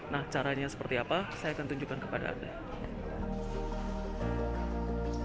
nah caranya seperti apa saya akan tunjukkan kepada anda